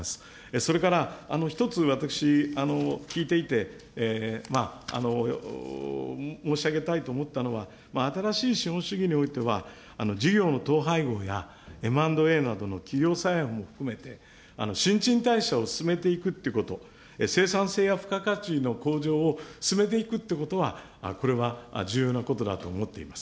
それから１つ、私、聞いていて、申し上げたいと思ったのは、新しい資本主義においては、事業の統廃合やＭ＆Ａなどの企業再編も含めて、新陳代謝を進めていくということ、生産性や付加価値の向上を進めていくということは、これは重要なことだと思っています。